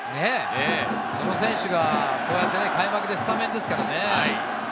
その選手がこうやって開幕でスタメンですからね。